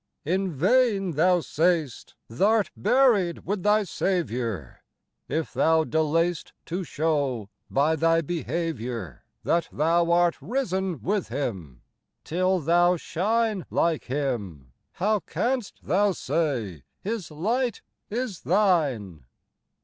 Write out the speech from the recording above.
17 In vain thou say'st Th'art bury'd with thy Saviour, If thou delay'st To shew, by thy behaviour, That thou art risen with Him. Till thou shine Like Him, how canst thou say His light is thine